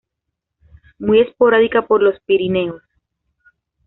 Muy esporádica por los Pirineos.